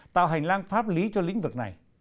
tạo hành lang pháp lý cho lĩnh vực này